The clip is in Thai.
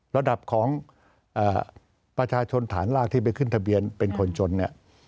ระดับของประชาชนฐานรากที่ไปขึ้นทะเบียนเป็นคนจนเนี่ย